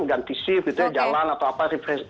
ganti shift gitu ya jalan atau apa